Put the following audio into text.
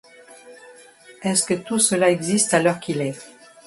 Est-ce que tout cela existe à l’heure qu’il est?